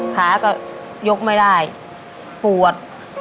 ขาก็ยกไม่ได้ปวด